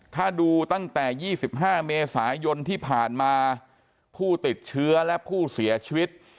ถ้าดูตั้งแต่๒๕เมษายนที่ผ่านมาผู้ติดเชื้อและผู้เสียชีวิต